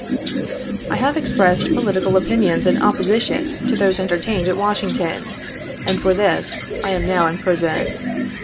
I have expressed political opinions in opposition to those entertained at Washington, and for this I am now in prison.